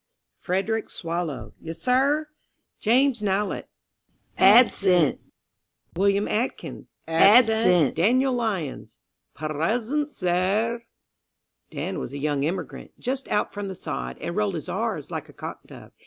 "Frederick Swallow."... "Y'sir." "James Nowlett."... . (Chorus of "Absent.") "William Atkins."... (Chorus of "Absent.") "Daniel Lyons."... "Perresent, sor r r." Dan was a young immigrant, just out from the sod, and rolled his "r's" like a cock dove.